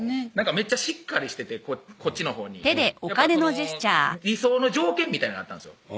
めっちゃしっかりしててこっちのほうに理想の条件みたいなんがあったんですよ